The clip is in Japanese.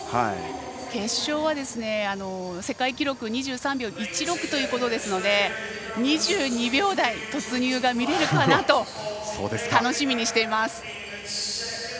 決勝は世界記録２３秒１６ということですので２２秒台突入が見れればなと楽しみにしています。